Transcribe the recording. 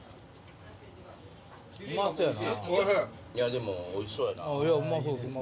でもおいしそうやな。